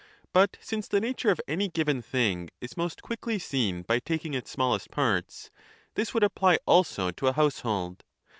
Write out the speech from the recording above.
But since the nature of any given thing is most quickly seen by taking its smallest parts, this would apply also to a household.